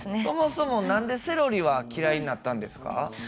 そもそも何でセロリは嫌いになったんですか？